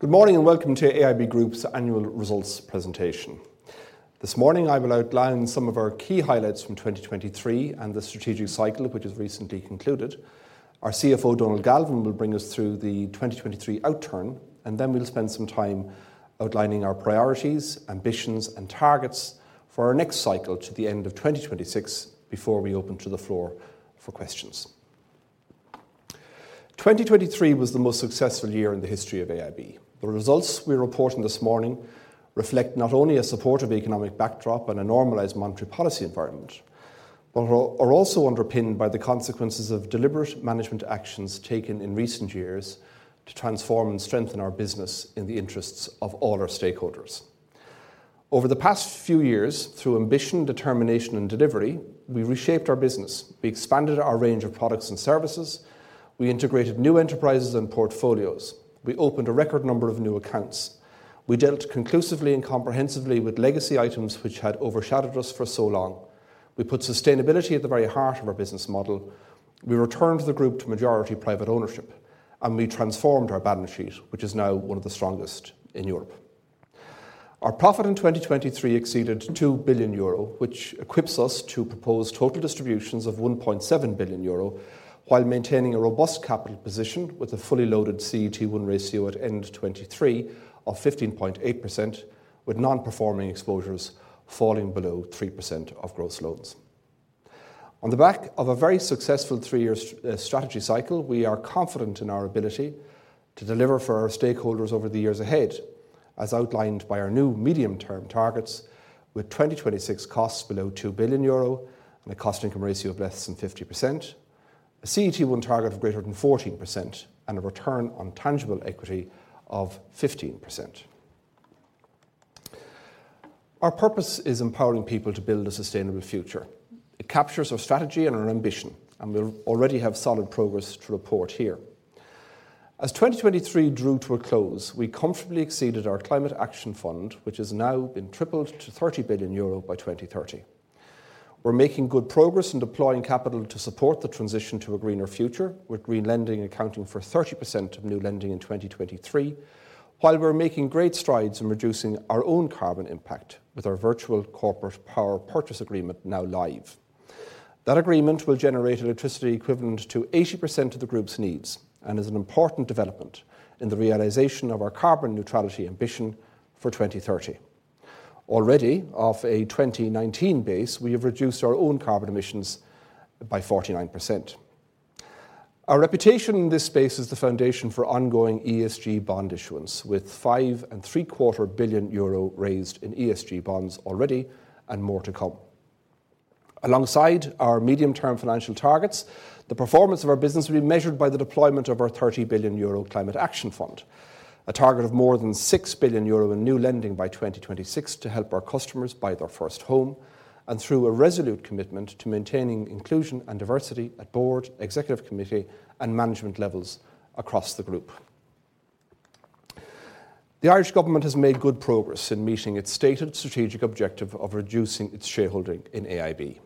Good morning and welcome to AIB Group's annual results presentation. This morning I will outline some of our key highlights from 2023 and the strategic cycle which has recently concluded. Our CFO Donal Galvin will bring us through the 2023 outturn, and then we'll spend some time outlining our priorities, ambitions, and targets for our next cycle to the end of 2026 before we open to the floor for questions. 2023 was the most successful year in the history of AIB. The results we're reporting this morning reflect not only a supportive economic backdrop and a normalised monetary policy environment, but are also underpinned by the consequences of deliberate management actions taken in recent years to transform and strengthen our business in the interests of all our stakeholders. Over the past few years, through ambition, determination, and delivery, we reshaped our business. We expanded our range of products and services. We integrated new enterprises and portfolios. We opened a record number of new accounts. We dealt conclusively and comprehensively with legacy items which had overshadowed us for so long. We put sustainability at the very heart of our business model. We returned the group to majority private ownership, and we transformed our balance sheet, which is now one of the strongest in Europe. Our profit in 2023 exceeded 2 billion euro, which equips us to propose total distributions of 1.7 billion euro while maintaining a robust capital position with a fully loaded CET1 ratio at end 2023 of 15.8%, with non-performing exposures falling below 3% of gross loans. On the back of a very successful three-year strategy cycle, we are confident in our ability to deliver for our stakeholders over the years ahead, as outlined by our new medium-term targets, with 2026 costs below 2 billion euro and a Cost-Income Ratio of less than 50%, a CET1 target of greater than 14%, and a Return on Tangible Equity of 15%. Our purpose is empowering people to build a sustainable future. It captures our strategy and our ambition, and we'll already have solid progress to report here. As 2023 drew to a close, we comfortably exceeded our Climate Action Fund, which has now been tripled to 30 billion euro by 2030. We're making good progress in deploying capital to support the transition to a greener future, with green lending accounting for 30% of new lending in 2023, while we're making great strides in reducing our own carbon impact with our virtual corporate power purchase agreement now live. That agreement will generate electricity equivalent to 80% of the group's needs and is an important development in the realization of our carbon neutrality ambition for 2030. Already, off a 2019 base, we have reduced our own carbon emissions by 49%. Our reputation in this space is the foundation for ongoing ESG bond issuance, with 5.75 billion euro raised in ESG bonds already and more to come. Alongside our medium-term financial targets, the performance of our business will be measured by the deployment of our 30 billion euro Climate Action Fund, a target of more than 6 billion euro in new lending by 2026 to help our customers buy their first home, and through a resolute commitment to maintaining inclusion and diversity at board, executive committee, and management levels across the group. The Irish government has made good progress in meeting its stated strategic objective of reducing its shareholding in AIB.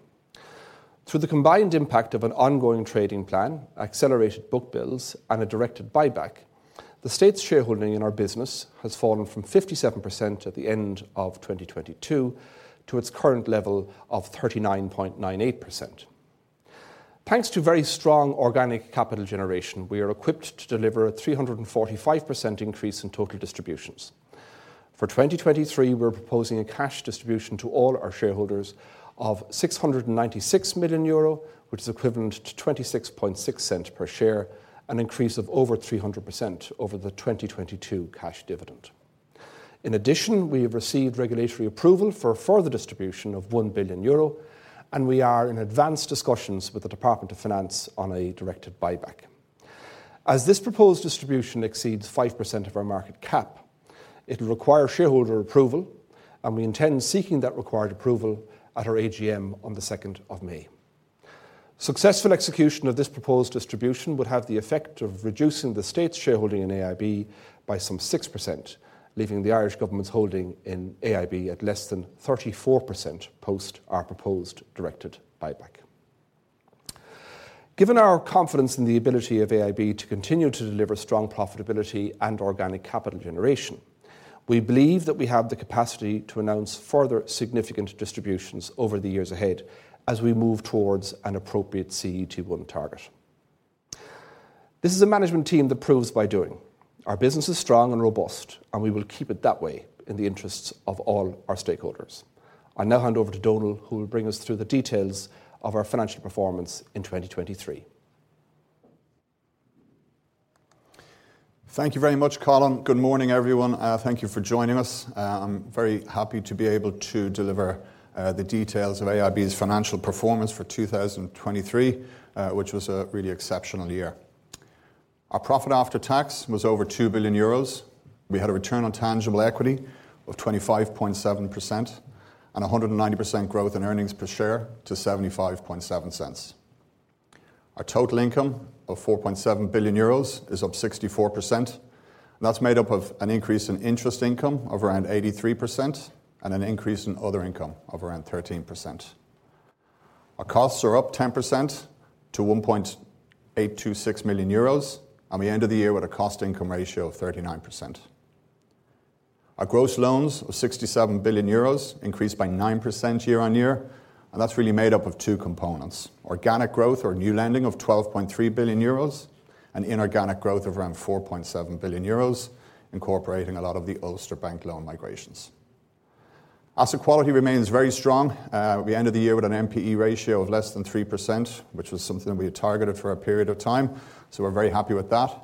Through the combined impact of an ongoing trading plan, accelerated bookbuilds, and a directed buyback, the state's shareholding in our business has fallen from 57% at the end of 2022 to its current level of 39.98%. Thanks to very strong organic capital generation, we are equipped to deliver a 345% increase in total distributions. For 2023, we're proposing a cash distribution to all our shareholders of 696 million euro, which is equivalent to 0.266 per share, an increase of over 300% over the 2022 cash dividend. In addition, we have received regulatory approval for a further distribution of 1 billion euro, and we are in advanced discussions with the Department of Finance on a directed buyback. As this proposed distribution exceeds 5% of our market cap, it will require shareholder approval, and we intend seeking that required approval at our AGM on 2 May. Successful execution of this proposed distribution would have the effect of reducing the state's shareholding in AIB by some 6%, leaving the Irish government's holding in AIB at less than 34% post our proposed directed buyback. Given our confidence in the ability of AIB to continue to deliver strong profitability and organic capital generation, we believe that we have the capacity to announce further significant distributions over the years ahead as we move towards an appropriate CET1 target. This is a management team that proves by doing. Our business is strong and robust, and we will keep it that way in the interests of all our stakeholders. I now hand over to Donal, who will bring us through the details of our financial performance in 2023. Thank you very much, Colin. Good morning, everyone. Thank you for joining us. I'm very happy to be able to deliver the details of AIB's financial performance for 2023, which was a really exceptional year. Our profit after tax was over 2 billion euros. We had a return on tangible equity of 25.7% and 190% growth in earnings per share to 0.75. Our total income of 4.7 billion euros is up 64%, and that's made up of an increase in interest income of around 83% and an increase in other income of around 13%. Our costs are up 10% to 1.826 million euros, and we ended the year with a cost-income ratio of 39%. Our gross loans of 67 billion euros increased by 9% year-on-year, and that's really made up of two components: organic growth or new lending of 12.3 billion euros and inorganic growth of around 4.7 billion euros, incorporating a lot of the Ulster Bank loan migrations. Asset quality remains very strong. We ended the year with an NPE ratio of less than 3%, which was something that we had targeted for a period of time, so we're very happy with that,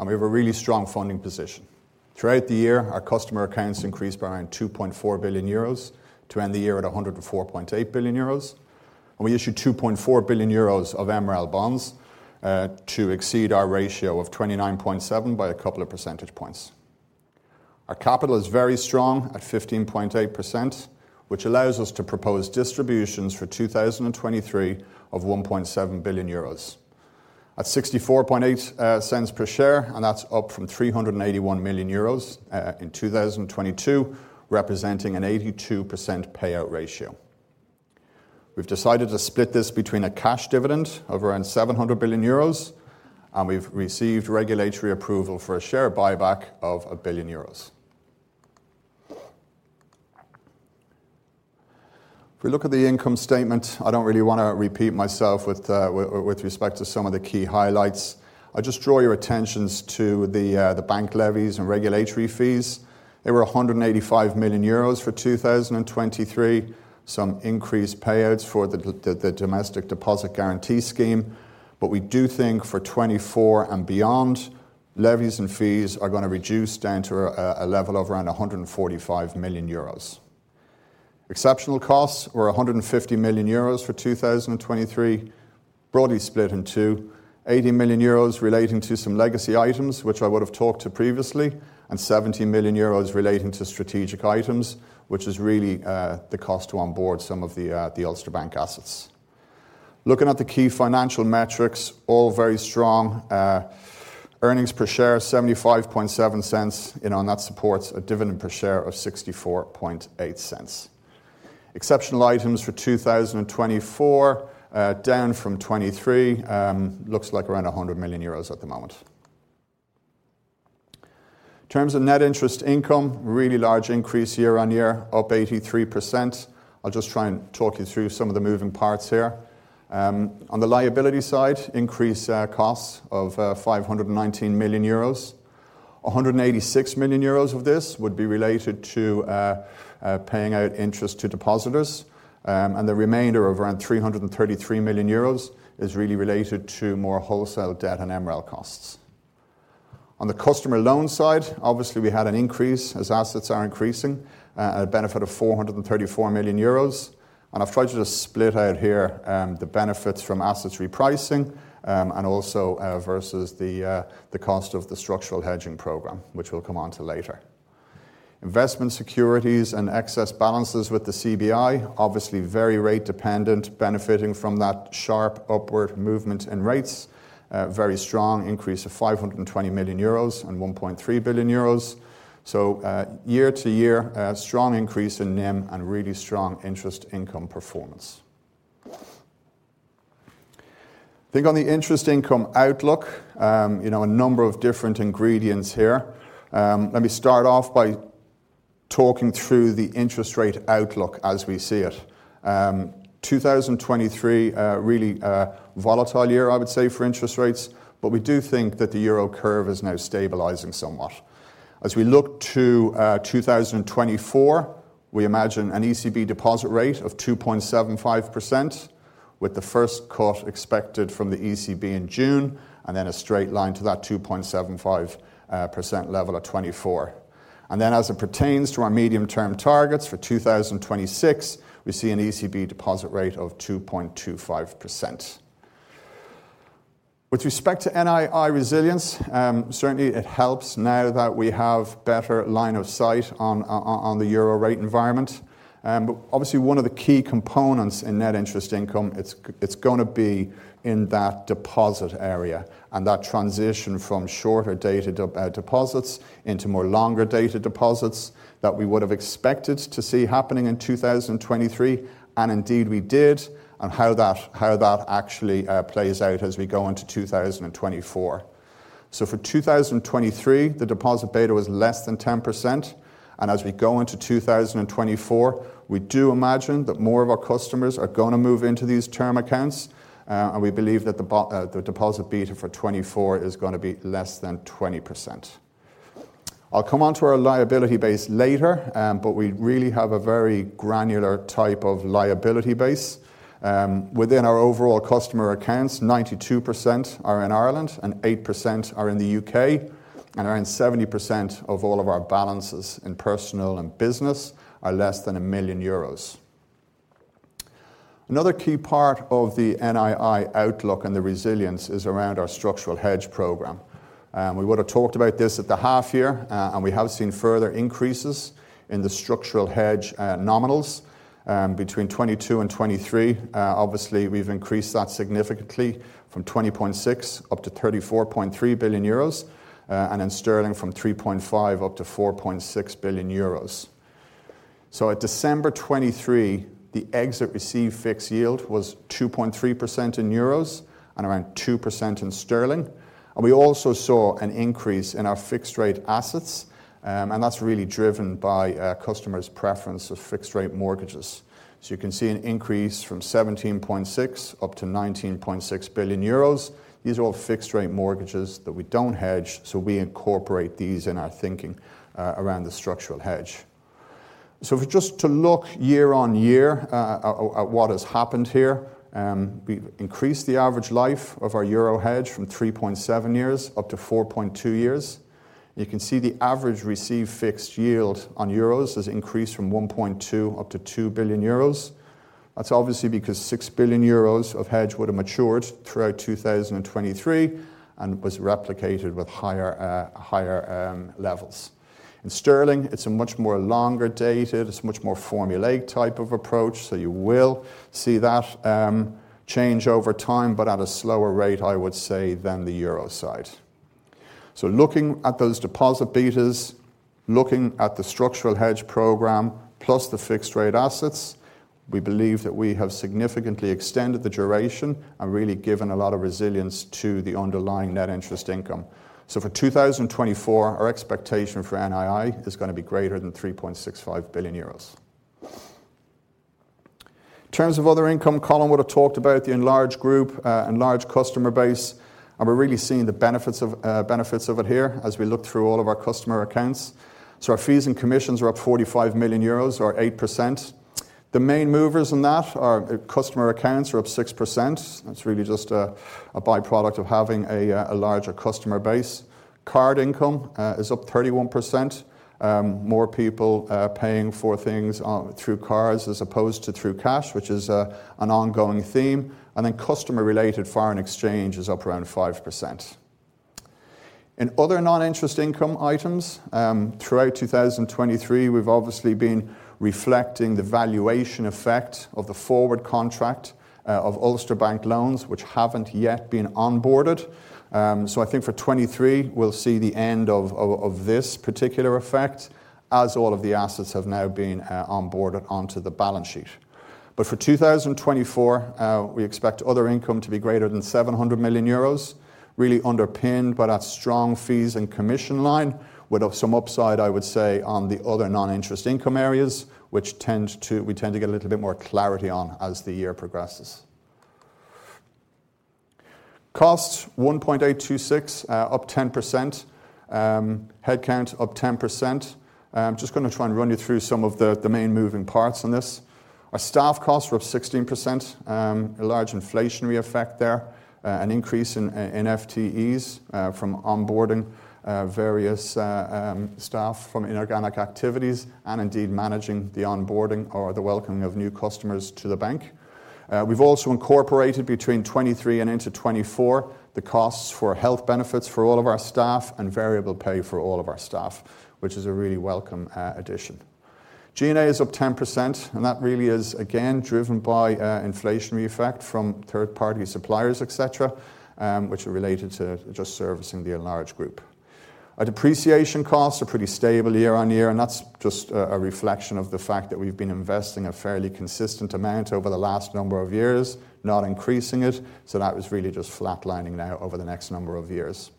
and we have a really strong funding position. Throughout the year, our customer accounts increased by around 2.4 billion euros to end the year at 104.8 billion euros, and we issued 2.4 billion euros of MREL bonds to exceed our ratio of 29.7 by a couple of percentage points. Our capital is very strong at 15.8%, which allows us to propose distributions for 2023 of 1.7 billion euros. At 0.648 per share, and that's up from 381 million euros in 2022, representing an 82% payout ratio. We've decided to split this between a cash dividend of around 700 billion euros, and we've received regulatory approval for a share buyback of 1 billion euros. If we look at the income statement, I don't really want to repeat myself with respect to some of the key highlights. I'll just draw your attentions to the bank levies and regulatory fees. They were 185 million euros for 2023, some increased payouts for the domestic deposit guarantee scheme, but we do think for 2024 and beyond, levies and fees are going to reduce down to a level of around 145 million euros. Exceptional costs were 150 million euros for 2023, broadly split in two: 80 million euros relating to some legacy items, which I would have talked to previously, and 70 million euros relating to strategic items, which is really the cost to onboard some of the Ulster Bank assets. Looking at the key financial metrics, all very strong. Earnings per share: 0.75, and that supports a dividend per share of 0.64. Exceptional items for 2024, down from 2023, looks like around 100 million euros at the moment. In terms of net interest income, really large increase year-on-year, up 83%. I'll just try and talk you through some of the moving parts here. On the liability side, increased costs of 519 million euros. 186 million euros of this would be related to paying out interest to depositors, and the remainder of around 333 million euros is really related to more wholesale debt and MREL costs. On the customer loan side, obviously we had an increase as assets are increasing, a benefit of 434 million euros, and I've tried to just split out here the benefits from assets repricing and also versus the cost of the structural hedging program, which we'll come on to later. Investment securities and excess balances with the CBI, obviously very rate-dependent, benefiting from that sharp upward movement in rates, very strong increase of 520 million euros and 1.3 billion euros. So year-over-year, strong increase in NIM and really strong interest income performance. I think on the interest income outlook, a number of different ingredients here. Let me start off by talking through the interest rate outlook as we see it. 2023, really volatile year, I would say, for interest rates, but we do think that the euro curve is now stabilizing somewhat. As we look to 2024, we imagine an ECB deposit rate of 2.75% with the first cut expected from the ECB in June and then a straight line to that 2.75% level at 2024. And then as it pertains to our medium-term targets for 2026, we see an ECB deposit rate of 2.25%. With respect to NII resilience, certainly it helps now that we have better line of sight on the euro rate environment. But obviously, one of the key components in net interest income, it's going to be in that deposit area and that transition from shorter dated deposits into more longer dated deposits that we would have expected to see happening in 2023, and indeed we did, and how that actually plays out as we go into 2024. So for 2023, the deposit beta was less than 10%, and as we go into 2024, we do imagine that more of our customers are going to move into these term accounts, and we believe that the deposit beta for 2024 is going to be less than 20%. I'll come on to our liability base later, but we really have a very granular type of liability base. Within our overall customer accounts, 92% are in Ireland and 8% are in the UK, and around 70% of all of our balances in personal and business are less than 1 million euros. Another key part of the NII outlook and the resilience is around our structural hedge program. We would have talked about this at the half-year, and we have seen further increases in the structural hedge nominals. Between 2022 and 2023, obviously we've increased that significantly from 20.6 billion up to 34.3 billion euros and in sterling from 3.5 billion up to GBP 4.6 billion. So at December 2023, the exit receive fixed yield was 2.3% in euros and around 2% in sterling, and we also saw an increase in our fixed-rate assets, and that's really driven by customers' preference for fixed-rate mortgages. So you can see an increase from 17.6 billion up to 19.6 billion euros. These are all fixed-rate mortgages that we don't hedge, so we incorporate these in our thinking around the structural hedge. So just to look year-on-year at what has happened here, we've increased the average life of our euro hedge from 3.7 years up to 4.2 years. You can see the average receive fixed yield on euros has increased from 1.2% up to 2%. That's obviously because 6 billion euros of hedge would have matured throughout 2023 and was replicated with higher levels. In sterling, it's a much more longer dated, it's a much more formulaic type of approach, so you will see that change over time, but at a slower rate, I would say, than the euro side. So looking at those deposit betas, looking at the structural hedge programme plus the fixed-rate assets, we believe that we have significantly extended the duration and really given a lot of resilience to the underlying net interest income. So for 2024, our expectation for NII is going to be greater than 3.65 billion euros. In terms of other income, Colin would have talked about the enlarged group, enlarged customer base, and we're really seeing the benefits of it here as we look through all of our customer accounts. So our fees and commissions are up 45 million euros, so are 8%. The main movers in that are customer accounts are up 6%. That's really just a byproduct of having a larger customer base. Card income is up 31%. More people paying for things through cards as opposed to through cash, which is an ongoing theme, and then customer-related foreign exchange is up around 5%. In other non-interest income items, throughout 2023, we've obviously been reflecting the valuation effect of the forward contract of Ulster Bank loans, which haven't yet been onboarded. So I think for 2023, we'll see the end of this particular effect as all of the assets have now been onboarded onto the balance sheet. But for 2024, we expect other income to be greater than 700 million euros, really underpinned by that strong fees and commission line with some upside, I would say, on the other non-interest income areas, which we tend to get a little bit more clarity on as the year progresses. Costs: 1.826, up 10%. Headcount: up 10%. I'm just going to try and run you through some of the main moving parts on this. Our staff costs were up 16%, a large inflationary effect there, an increase in FTEs from onboarding various staff from inorganic activities and indeed managing the onboarding or the welcoming of new customers to the bank. We've also incorporated between 2023 and into 2024 the costs for health benefits for all of our staff and variable pay for all of our staff, which is a really welcome addition. G&A is up 10%, and that really is, again, driven by inflationary effect from third-party suppliers, etc., which are related to just servicing the enlarged group. Our depreciation costs are pretty stable year on year, and that's just a reflection of the fact that we've been investing a fairly consistent amount over the last number of years, not increasing it, so that was really just flatlining now over the next number of years.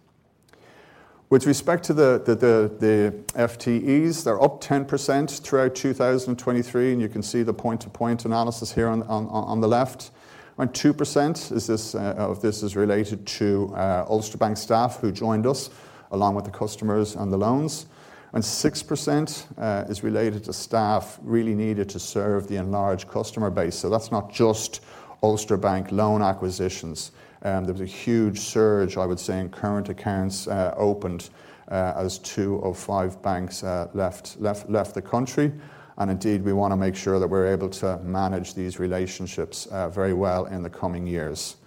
With respect to the FTEs, they're up 10% throughout 2023, and you can see the point-to-point analysis here on the left. Around 2% of this is related to Ulster Bank staff who joined us along with the customers and the loans. Around 6% is related to staff really needed to serve the enlarged customer base, so that's not just Ulster Bank loan acquisitions. There was a huge surge, I would say, in current accounts opened as 2 of 5 banks left the country, and indeed we want to make sure that we're able to manage these relationships very well in the coming years.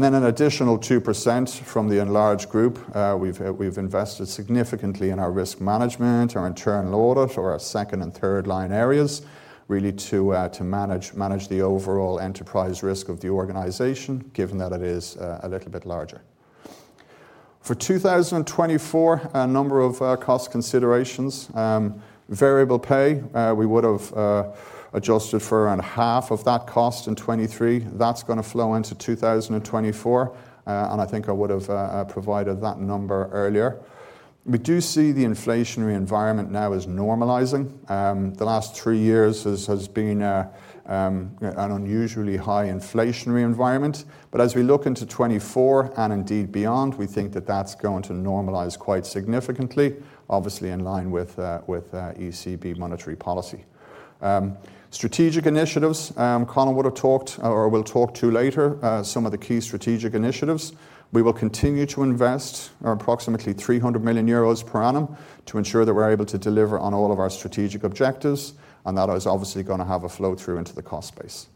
Then an additional 2% from the enlarged group, we've invested significantly in our risk management, our internal audit, our second and third line areas, really to manage the overall enterprise risk of the organization, given that it is a little bit larger. For 2024, a number of cost considerations. Variable pay, we would have adjusted for around half of that cost in 2023. That's going to flow into 2024, and I think I would have provided that number earlier. We do see the inflationary environment now is normalizing. The last three years has been an unusually high inflationary environment, but as we look into 2024 and indeed beyond, we think that that's going to normalize quite significantly, obviously in line with ECB monetary policy. Strategic initiatives, Colin would have talked or will talk to later, some of the key strategic initiatives. We will continue to invest approximately 300 million euros per annum to ensure that we're able to deliver on all of our strategic objectives, and that is obviously going to have a flow through into the cost base.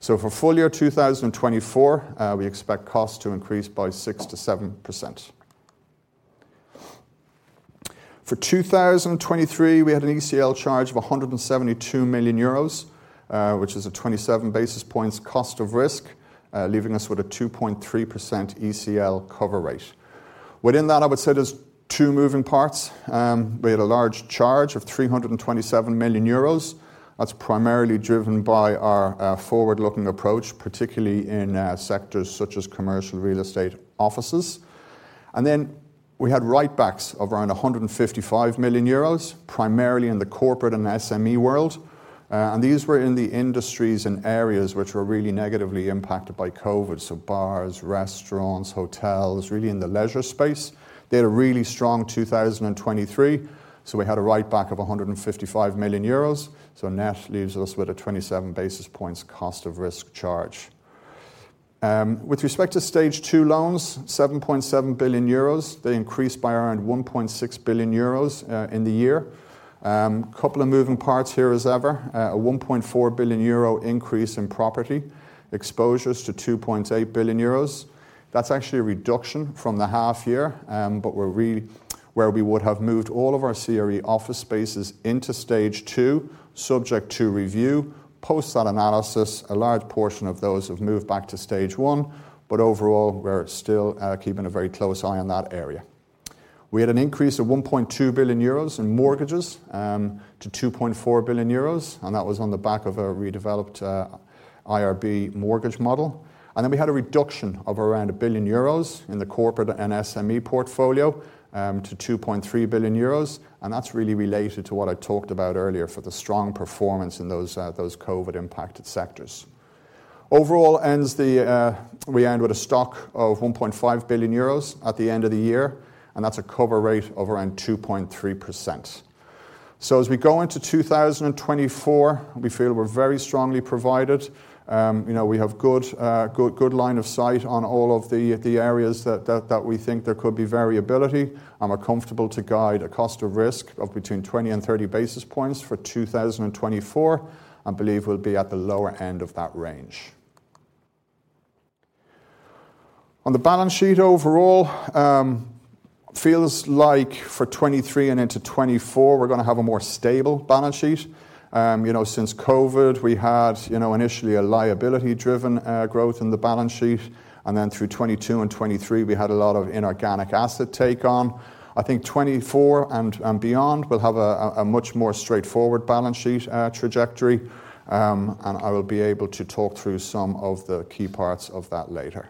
So for full year 2024, we expect costs to increase by 6%-7%. For 2023, we had an ECL charge of 172 million euros, which is a 27 basis points cost of risk, leaving us with a 2.3% ECL cover rate. Within that, I would say there's two moving parts. We had a large charge of 327 million euros. That's primarily driven by our forward-looking approach, particularly in sectors such as commercial real estate offices. And then we had writebacks of around 155 million euros, primarily in the corporate and SME world, and these were in the industries and areas which were really negatively impacted by COVID, so bars, restaurants, hotels, really in the leisure space. They had a really strong 2023, so we had a writeback of 155 million euros, so net leaves us with a 27 basis points cost of risk charge. With respect to stage two loans, 7.7 billion euros, they increased by around 1.6 billion euros in the year. A couple of moving parts here as ever, a 1.4 billion euro increase in property exposures to 2.8 billion euros. That's actually a reduction from the half-year, but where we would have moved all of our CRE office spaces into stage two, subject to review. Post that analysis, a large portion of those have moved back to stage one, but overall we're still keeping a very close eye on that area. We had an increase of 1.2 billion euros in mortgages to 2.4 billion euros, and that was on the back of a redeveloped IRB mortgage model. Then we had a reduction of around 1 billion euros in the corporate and SME portfolio to 2.3 billion euros, and that's really related to what I talked about earlier for the strong performance in those COVID-impacted sectors. Overall, we end with a stock of 1.5 billion euros at the end of the year, and that's a cover rate of around 2.3%. As we go into 2024, we feel we're very strongly provided. We have good line of sight on all of the areas that we think there could be variability. I'm comfortable to guide a cost of risk of between 20 and 30 basis points for 2024 and believe we'll be at the lower end of that range. On the balance sheet overall, it feels like for 2023 and into 2024, we're going to have a more stable balance sheet. Since COVID, we had initially a liability-driven growth in the balance sheet, and then through 2022 and 2023, we had a lot of inorganic asset take-on. I think 2024 and beyond, we'll have a much more straightforward balance sheet trajectory, and I will be able to talk through some of the key parts of that later.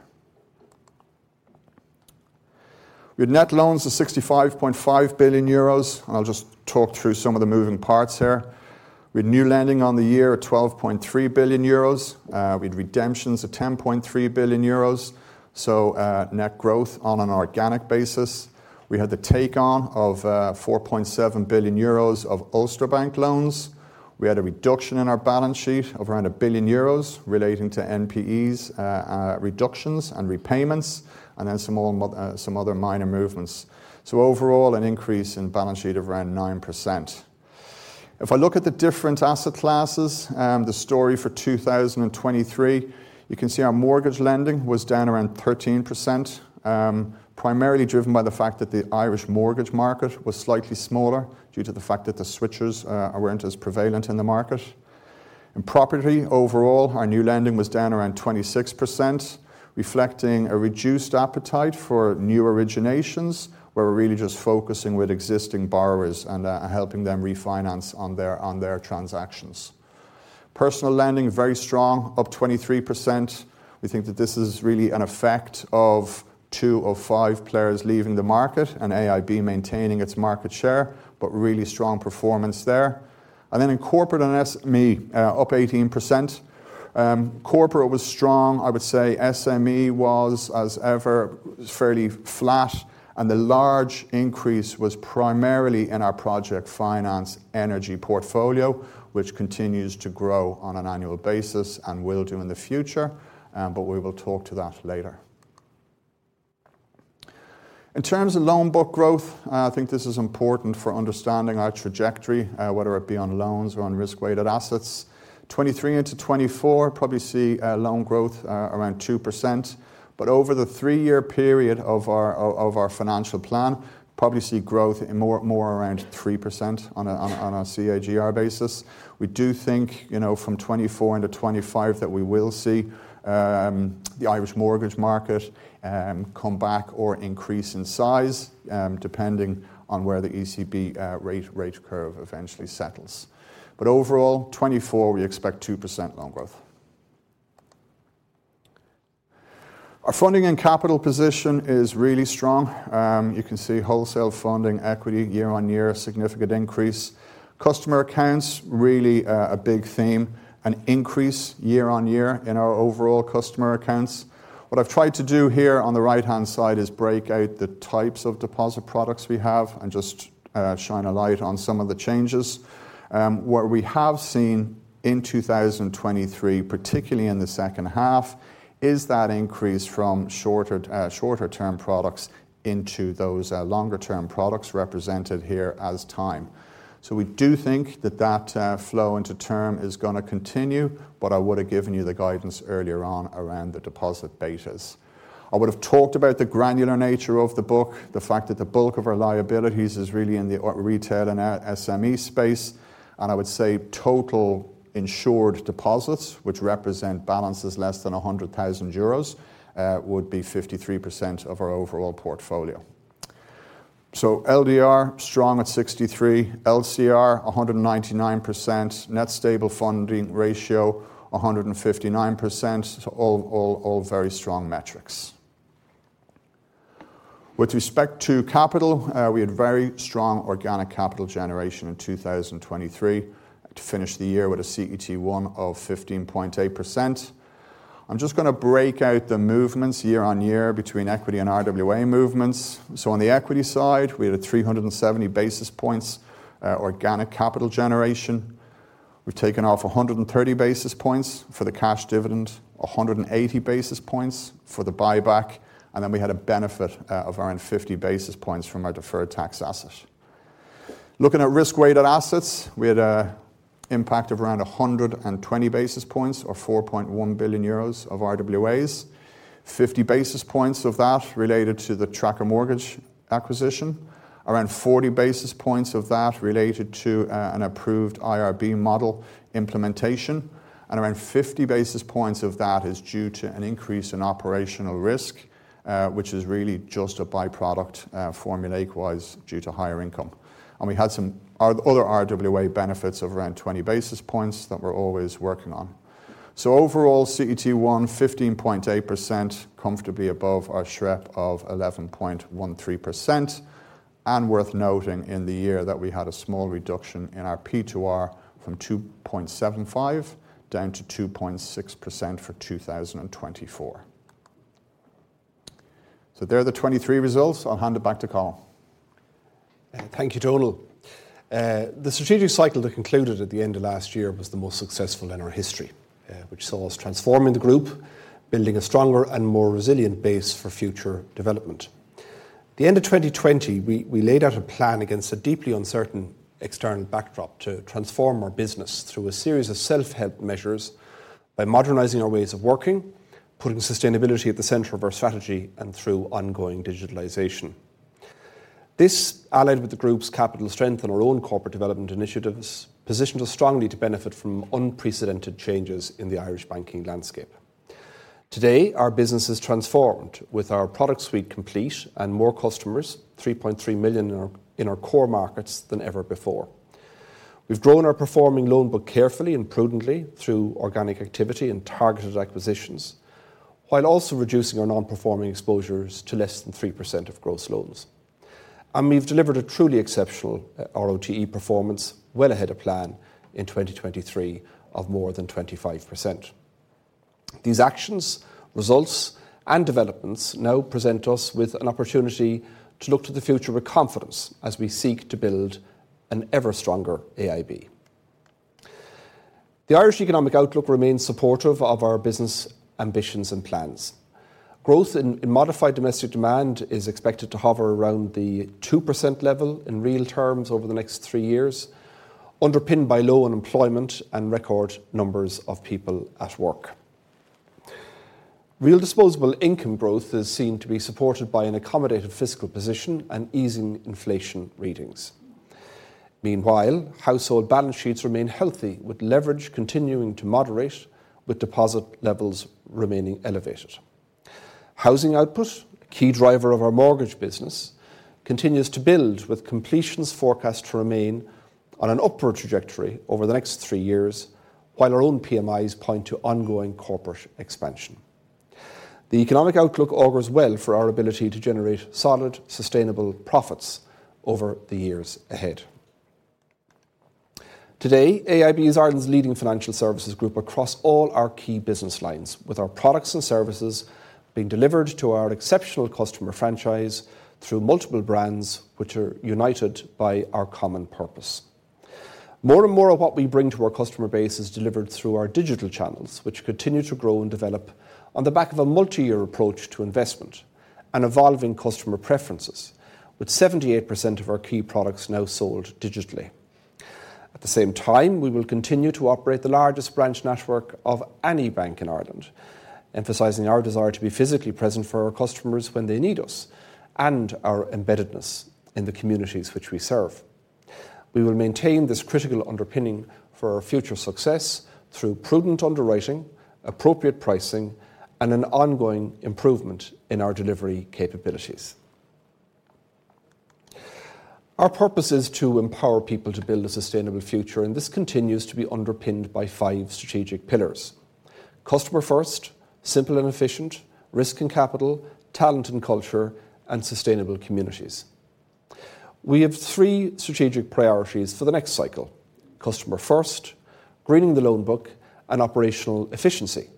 We had net loans of 65.5 billion euros, and I'll just talk through some of the moving parts here. We had new lending on the year of 12.3 billion euros. We had redemptions of 10.3 billion euros, so net growth on an organic basis. We had the take-on of 4.7 billion euros of Ulster Bank loans. We had a reduction in our balance sheet of around 1 billion euros relating to NPEs, reductions and repayments, and then some other minor movements. So overall, an increase in balance sheet of around 9%. If I look at the different asset classes, the story for 2023, you can see our mortgage lending was down around 13%, primarily driven by the fact that the Irish mortgage market was slightly smaller due to the fact that the switches weren't as prevalent in the market. In property overall, our new lending was down around 26%, reflecting a reduced appetite for new originations where we're really just focusing with existing borrowers and helping them refinance on their transactions. Personal lending, very strong, up 23%. We think that this is really an effect of two of five players leaving the market and AIB maintaining its market share, but really strong performance there. And then in corporate and SME, up 18%. Corporate was strong, I would say. SME was, as ever, fairly flat, and the large increase was primarily in our project finance energy portfolio, which continues to grow on an annual basis and will do in the future, but we will talk to that later. In terms of loan book growth, I think this is important for understanding our trajectory, whether it be on loans or on risk-weighted assets. 2023 into 2024, probably see loan growth around 2%, but over the three-year period of our financial plan, probably see growth more around 3% on a CAGR basis. We do think from 2024 into 2025 that we will see the Irish mortgage market come back or increase in size depending on where the ECB rate curve eventually settles. But overall, 2024, we expect 2% loan growth. Our funding and capital position is really strong. You can see wholesale funding, equity, year-on-year, a significant increase. Customer accounts, really a big theme, an increase year-on-year in our overall customer accounts. What I've tried to do here on the right-hand side is break out the types of deposit products we have and just shine a light on some of the changes. What we have seen in 2023, particularly in the second half, is that increase from shorter-term products into those longer-term products represented here as time. So we do think that that flow into term is going to continue, but I would have given you the guidance earlier on around the deposit betas. I would have talked about the granular nature of the book, the fact that the bulk of our liabilities is really in the retail and SME space, and I would say total insured deposits, which represent balances less than 100,000 euros, would be 53% of our overall portfolio. So LDR, strong at 63%. LCR, 199%. Net stable funding ratio, 159%. So all very strong metrics. With respect to capital, we had very strong organic capital generation in 2023 to finish the year with a CET1 of 15.8%. I'm just going to break out the movements year on year between equity and RWA movements. So on the equity side, we had 370 basis points organic capital generation. We've taken off 130 basis points for the cash dividend, 180 basis points for the buyback, and then we had a benefit of around 50 basis points from our deferred tax asset. Looking at risk-weighted assets, we had an impact of around 120 basis points or 4.1 billion euros of RWAs. 50 basis points of that related to the Tracker Mortgage acquisition. Around 40 basis points of that related to an approved IRB model implementation. And around 50 basis points of that is due to an increase in operational risk, which is really just a byproduct formulaic-wise due to higher income. And we had some other RWA benefits of around 20 basis points that we're always working on. So overall, CET1, 15.8%, comfortably above our SREP of 11.13%. And worth noting in the year that we had a small reduction in our P2R from 2.75 down to 2.6% for 2024. So there are the 2023 results. I'll hand it back to Colin. Thank you, Donal. The strategic cycle that concluded at the end of last year was the most successful in our history, which saw us transforming the group, building a stronger and more resilient base for future development. At the end of 2020, we laid out a plan against a deeply uncertain external backdrop to transform our business through a series of self-help measures by modernizing our ways of working, putting sustainability at the center of our strategy, and through ongoing digitalization. This, allied with the group's capital strength and our own corporate development initiatives, positioned us strongly to benefit from unprecedented changes in the Irish banking landscape. Today, our business has transformed with our product suite complete and more customers, 3.3 million in our core markets than ever before. We've grown our performing loan book carefully and prudently through organic activity and targeted acquisitions, while also reducing our non-performing exposures to less than 3% of gross loans. We've delivered a truly exceptional RoTE performance, well ahead of plan, in 2023 of more than 25%. These actions, results, and developments now present us with an opportunity to look to the future with confidence as we seek to build an ever-stronger AIB. The Irish economic outlook remains supportive of our business ambitions and plans. Growth in modified domestic demand is expected to hover around the 2% level in real terms over the next 3 years, underpinned by low unemployment and record numbers of people at work. Real disposable income growth is seen to be supported by an accommodative fiscal position and easing inflation readings. Meanwhile, household balance sheets remain healthy, with leverage continuing to moderate, with deposit levels remaining elevated. Housing output, a key driver of our mortgage business, continues to build, with completions forecast to remain on an upward trajectory over the next three years, while our own PMIs point to ongoing corporate expansion. The economic outlook augurs well for our ability to generate solid, sustainable profits over the years ahead. Today, AIB is Ireland's leading financial services group across all our key business lines, with our products and services being delivered to our exceptional customer franchise through multiple brands which are united by our common purpose. More and more of what we bring to our customer base is delivered through our digital channels, which continue to grow and develop on the back of a multi-year approach to investment and evolving customer preferences, with 78% of our key products now sold digitally. At the same time, we will continue to operate the largest branch network of any bank in Ireland, emphasizing our desire to be physically present for our customers when they need us and our embeddedness in the communities which we serve. We will maintain this critical underpinning for our future success through prudent underwriting, appropriate pricing, and an ongoing improvement in our delivery capabilities. Our purpose is to empower people to build a sustainable future, and this continues to be underpinned by five strategic pillars: customer-first, simple and efficient; risk and capital; talent and culture; and sustainable communities. We have three strategic priorities for the next cycle: customer-first, greening the loan book, and operational efficiency.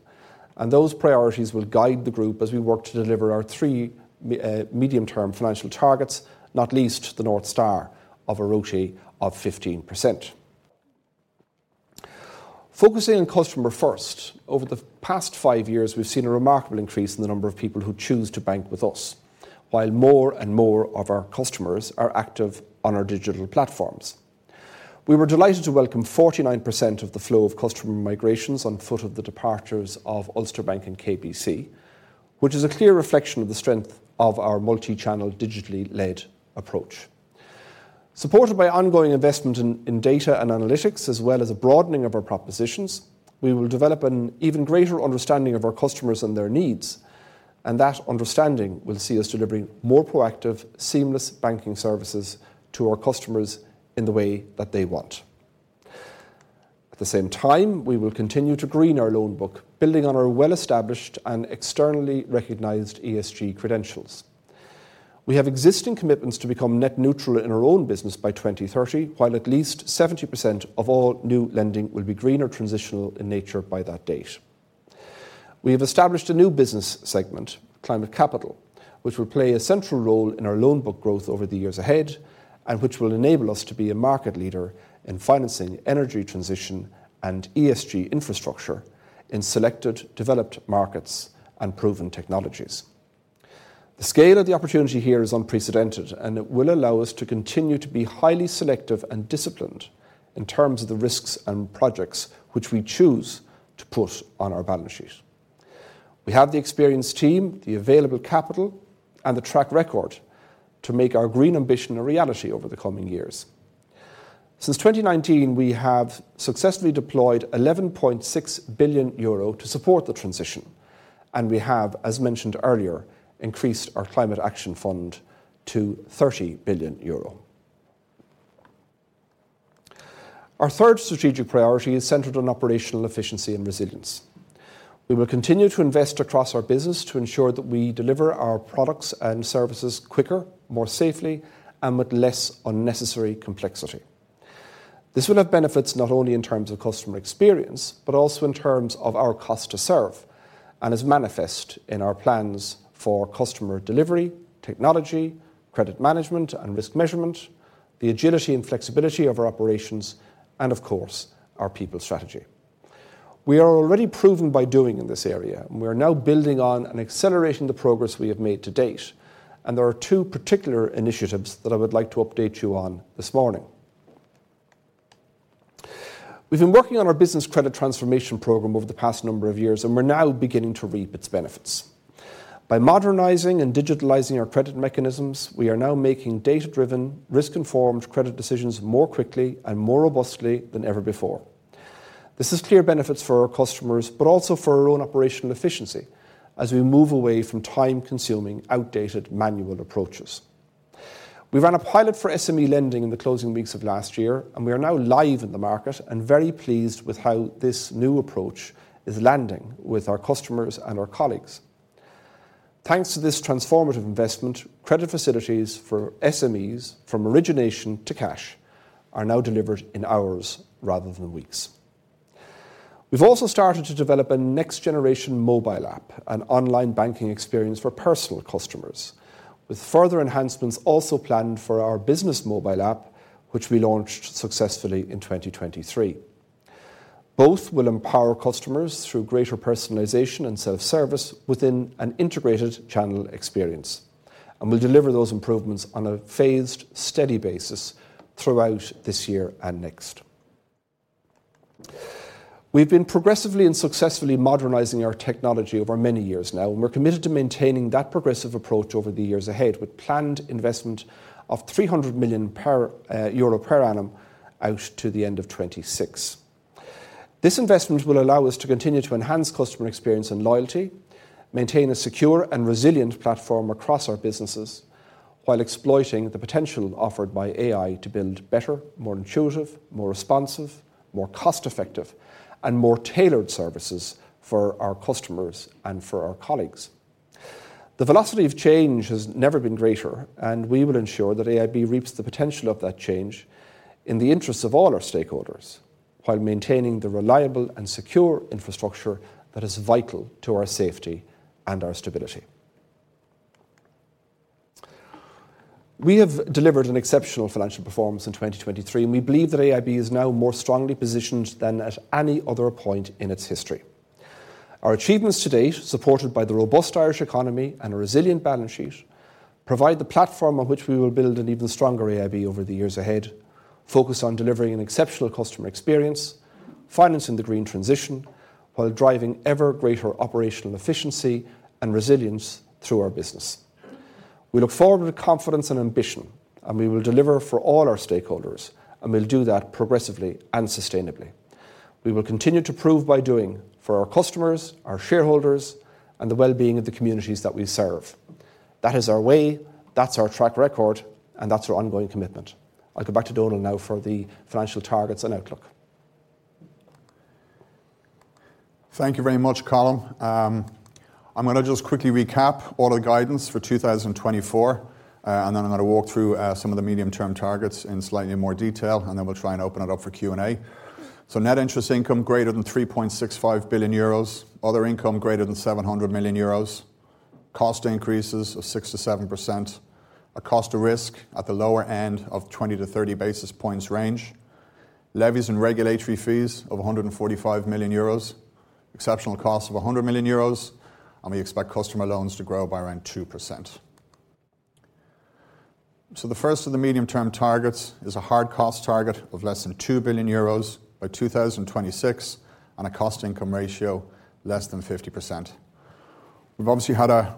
Those priorities will guide the group as we work to deliver our three medium-term financial targets, not least the North Star of a ROTE of 15%. Focusing on customer-first, over the past five years, we've seen a remarkable increase in the number of people who choose to bank with us, while more and more of our customers are active on our digital platforms. We were delighted to welcome 49% of the flow of customer migrations on foot of the departures of Ulster Bank and KBC, which is a clear reflection of the strength of our multi-channel, digitally-led approach. Supported by ongoing investment in data and analytics, as well as a broadening of our propositions, we will develop an even greater understanding of our customers and their needs. And that understanding will see us delivering more proactive, seamless banking services to our customers in the way that they want. At the same time, we will continue to green our loan book, building on our well-established and externally recognized ESG credentials. We have existing commitments to become net neutral in our own business by 2030, while at least 70% of all new lending will be green or transitional in nature by that date. We have established a new business segment, Climate Capital, which will play a central role in our loan book growth over the years ahead and which will enable us to be a market leader in financing energy transition and ESG infrastructure in selected, developed markets and proven technologies. The scale of the opportunity here is unprecedented, and it will allow us to continue to be highly selective and disciplined in terms of the risks and projects which we choose to put on our balance sheet. We have the experienced team, the available capital, and the track record to make our green ambition a reality over the coming years. Since 2019, we have successfully deployed 11.6 billion euro to support the transition, and we have, as mentioned earlier, increased our Climate Action Fund to 30 billion euro. Our third strategic priority is centered on operational efficiency and resilience. We will continue to invest across our business to ensure that we deliver our products and services quicker, more safely, and with less unnecessary complexity. This will have benefits not only in terms of customer experience but also in terms of our cost to serve, and is manifest in our plans for customer delivery, technology, credit management, and risk measurement, the agility and flexibility of our operations, and, of course, our people strategy. We are already proven by doing in this area, and we are now building on and accelerating the progress we have made to date. There are two particular initiatives that I would like to update you on this morning. We've been working on our business credit transformation program over the past number of years, and we're now beginning to reap its benefits. By modernizing and digitalizing our credit mechanisms, we are now making data-driven, risk-informed credit decisions more quickly and more robustly than ever before. This has clear benefits for our customers but also for our own operational efficiency as we move away from time-consuming, outdated, manual approaches. We ran a pilot for SME lending in the closing weeks of last year, and we are now live in the market and very pleased with how this new approach is landing with our customers and our colleagues. Thanks to this transformative investment, credit facilities for SMEs, from origination to cash, are now delivered in hours rather than weeks. We've also started to develop a next-generation mobile app, an online banking experience for personal customers, with further enhancements also planned for our business mobile app, which we launched successfully in 2023. Both will empower customers through greater personalization and self-service within an integrated channel experience and will deliver those improvements on a phased, steady basis throughout this year and next. We've been progressively and successfully modernizing our technology over many years now, and we're committed to maintaining that progressive approach over the years ahead with planned investment of 300 million per annum out to the end of 2026. This investment will allow us to continue to enhance customer experience and loyalty, maintain a secure and resilient platform across our businesses, while exploiting the potential offered by AI to build better, more intuitive, more responsive, more cost-effective, and more tailored services for our customers and for our colleagues. The velocity of change has never been greater, and we will ensure that AIB reaps the potential of that change in the interests of all our stakeholders while maintaining the reliable and secure infrastructure that is vital to our safety and our stability. We have delivered an exceptional financial performance in 2023, and we believe that AIB is now more strongly positioned than at any other point in its history. Our achievements to date, supported by the robust Irish economy and a resilient balance sheet, provide the platform on which we will build an even stronger AIB over the years ahead, focus on delivering an exceptional customer experience, financing the green transition, while driving ever greater operational efficiency and resilience through our business. We look forward to confidence and ambition, and we will deliver for all our stakeholders, and we'll do that progressively and sustainably. We will continue to prove by doing for our customers, our shareholders, and the wellbeing of the communities that we serve. That is our way. That's our track record. And that's our ongoing commitment. I'll go back to Donal now for the financial targets and outlook. Thank you very much, Colin. I'm going to just quickly recap all the guidance for 2024, and then I'm going to walk through some of the medium-term targets in slightly more detail, and then we'll try and open it up for Q&A. So net interest income greater than 3.65 billion euros, other income greater than 700 million euros, cost increases of 6%-7%, a cost of risk at the lower end of 20-30 basis points range, levies and regulatory fees of 145 million euros, exceptional cost of 100 million euros, and we expect customer loans to grow by around 2%. So the first of the medium-term targets is a hard cost target of less than 2 billion euros by 2026 and a cost-income ratio less than 50%. We've obviously had a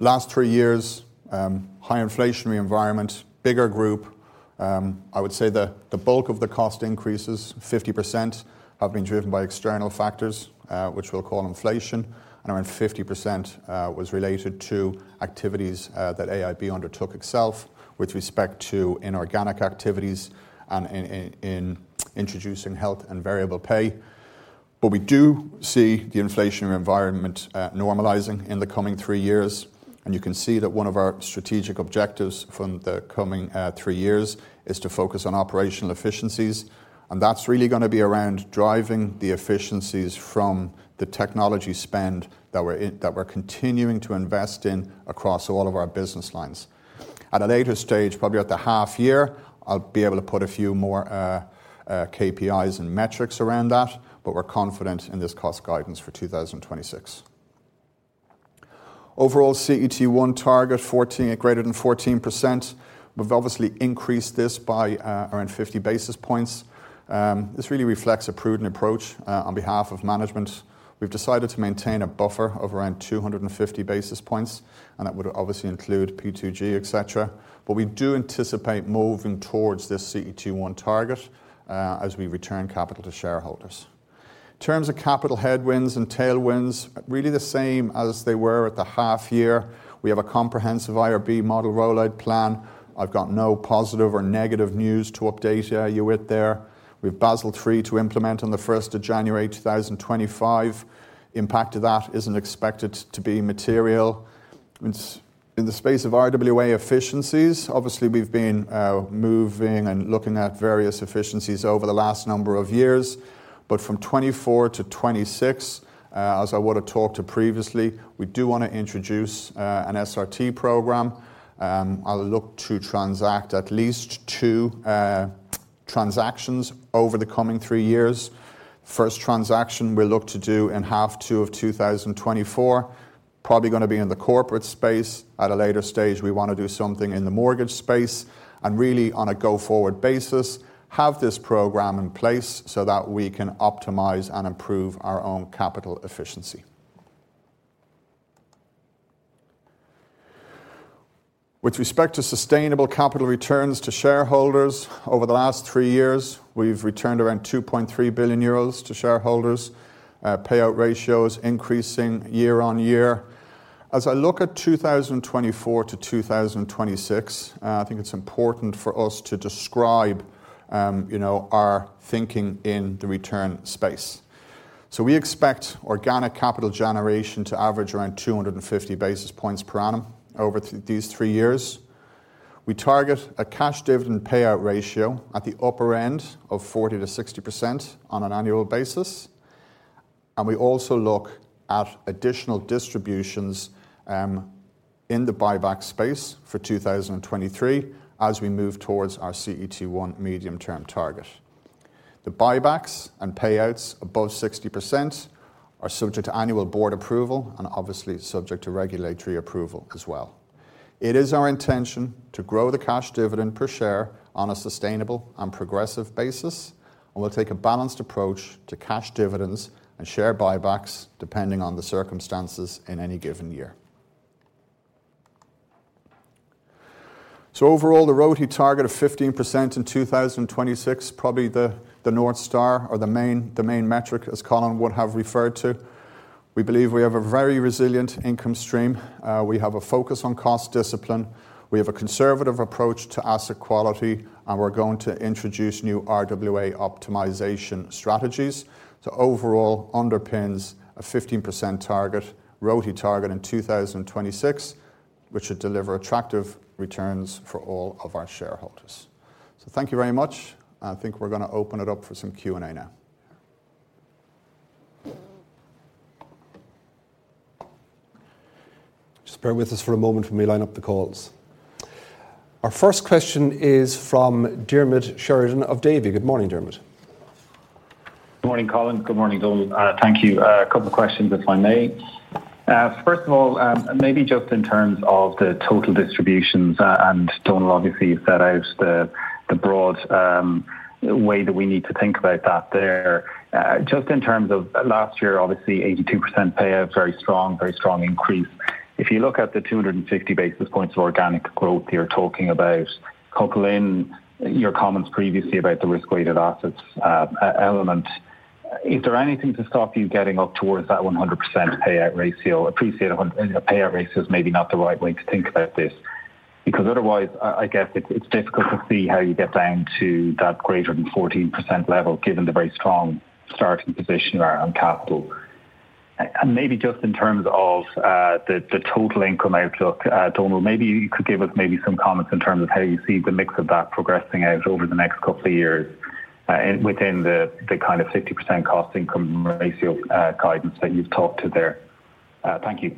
last three years high inflationary environment, bigger group. I would say the bulk of the cost increases, 50%, have been driven by external factors, which we'll call inflation, and around 50% was related to activities that AIB undertook itself with respect to inorganic activities and in introducing headcount and variable pay. But we do see the inflationary environment normalizing in the coming three years, and you can see that one of our strategic objectives from the coming three years is to focus on operational efficiencies. And that's really going to be around driving the efficiencies from the technology spend that we're continuing to invest in across all of our business lines. At a later stage, probably at the half-year, I'll be able to put a few more KPIs and metrics around that, but we're confident in this cost guidance for 2026. Overall, CET1 target greater than 14%. We've obviously increased this by around 50 basis points. This really reflects a prudent approach on behalf of management. We've decided to maintain a buffer of around 250 basis points, and that would obviously include P2G, etc. But we do anticipate moving towards this CET1 target as we return capital to shareholders. In terms of capital headwinds and tailwinds, really the same as they were at the half-year. We have a comprehensive IRB model rollout plan. I've got no positive or negative news to update you with there. We have Basel III to implement on the 1st of January, 2025. Impact of that isn't expected to be material. In the space of RWA efficiencies, obviously, we've been moving and looking at various efficiencies over the last number of years. But from 2024 to 2026, as I would have talked to previously, we do want to introduce an SRT programme. I'll look to transact at least two transactions over the coming three years. The first transaction we'll look to do in half-2 of 2024, probably going to be in the corporate space. At a later stage, we want to do something in the mortgage space and really on a go-forward basis, have this programme in place so that we can optimize and improve our own capital efficiency. With respect to sustainable capital returns to shareholders, over the last three years, we've returned around 2.3 billion euros to shareholders. Payout ratios increasing year-on-year. As I look at 2024 to 2026, I think it's important for us to describe our thinking in the return space. We expect organic capital generation to average around 250 basis points per annum over these three years. We target a cash dividend payout ratio at the upper end of 40%-60% on an annual basis. We also look at additional distributions in the buyback space for 2023 as we move towards our CET1 medium-term target. The buybacks and payouts above 60% are subject to annual board approval and obviously subject to regulatory approval as well. It is our intention to grow the cash dividend per share on a sustainable and progressive basis, and we'll take a balanced approach to cash dividends and share buybacks depending on the circumstances in any given year. So overall, the RoTE target of 15% in 2026, probably the North Star or the main metric, as Colin would have referred to. We believe we have a very resilient income stream. We have a focus on cost discipline. We have a conservative approach to asset quality, and we're going to introduce new RWAs optimization strategies. So overall, underpins a 15% RoTE target in 2026, which should deliver attractive returns for all of our shareholders. So thank you very much. I think we're going to open it up for some Q&A now. Just bear with us for a moment for me to line up the calls. Our first question is from Diarmaid Sheridan of Davy. Good morning, Diarmaid. Good morning, Colin. Good morning, Donal. Thank you. A couple of questions, if I may. First of all, maybe just in terms of the total distributions, and Donal obviously set out the broad way that we need to think about that there. Just in terms of last year, obviously, 82% payout, very strong, very strong increase. If you look at the 250 basis points of organic growth you're talking about, couple in your comments previously about the risk-weighted assets element. Is there anything to stop you getting up towards that 100% payout ratio? I appreciate a payout ratio is maybe not the right way to think about this because otherwise, I guess it's difficult to see how you get down to that greater than 14% level given the very strong starting position you are on capital. Maybe just in terms of the total income outlook, Donal, maybe you could give us maybe some comments in terms of how you see the mix of that progressing out over the next couple of years within the kind of 50% cost-income ratio guidance that you've talked to there. Thank you.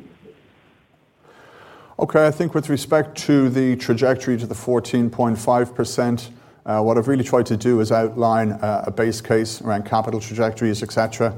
Okay. I think with respect to the trajectory to the 14.5%, what I've really tried to do is outline a base case around capital trajectories, etc.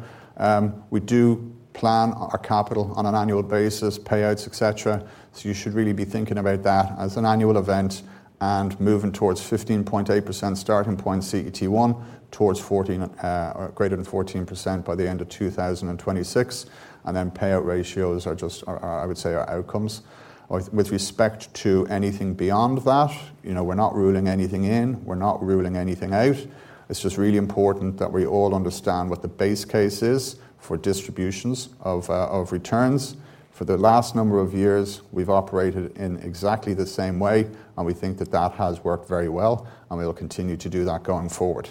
We do plan our capital on an annual basis, payouts, etc. So you should really be thinking about that as an annual event and moving towards 15.8% starting point CET1 towards greater than 14% by the end of 2026. And then payout ratios are just, I would say, our outcomes. With respect to anything beyond that, we're not ruling anything in. We're not ruling anything out. It's just really important that we all understand what the base case is for distributions of returns. For the last number of years, we've operated in exactly the same way, and we think that that has worked very well, and we'll continue to do that going forward.